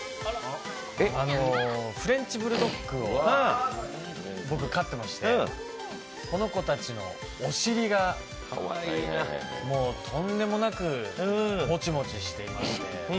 フレンチブルドッグを僕、飼ってまして、この子たちのお尻が、もうとんでもなくモチモチしていまして。